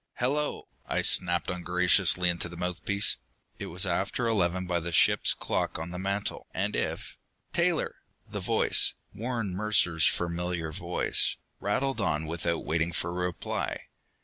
"Hello!" I snapped ungraciously into the mouthpiece. It was after eleven by the ship's clock on the mantel, and if "Taylor?" The voice Warren Mercer's familiar voice rattled on without waiting for a reply.